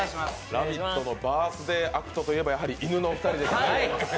「ラヴィット！」のバースデーアクトといえばいぬのお二人です。